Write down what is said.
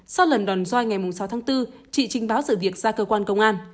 sau lần đòn doi ngày sáu tháng bốn chị trình báo sự việc ra cơ quan công an